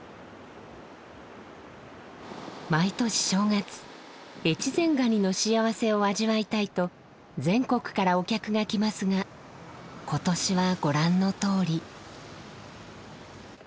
毎年正月越前ガニのしあわせを味わいたいと全国からお客が来ますが今年はご覧のとおり。